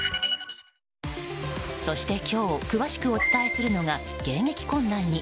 そして今日詳しくお伝えするのが迎撃困難に。